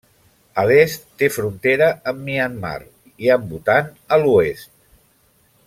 A l'est té frontera amb Myanmar i amb Bhutan a l'oest.